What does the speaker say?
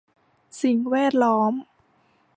สิ่งแวดล้อม